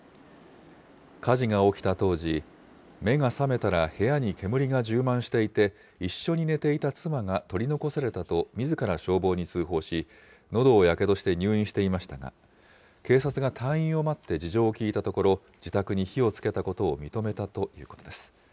火事が起きた当時、目が覚めたら部屋に煙が充満していて、一緒に寝ていた妻が取り残されたと、みずから消防に通報し、のどをやけどして入院していましたが、警察が退院を待って事情を聴いたところ、自宅に火をつけたことを認めたということです。